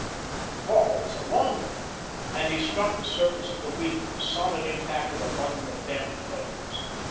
The fall was a long one and he struck the surface of the wheat with the sodden impact of a bundle of damp clothes.